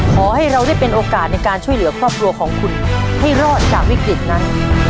ขอให้เราได้เป็นโอกาสในการช่วยเหลือครอบครัวของคุณให้รอดจากวิกฤตนั้น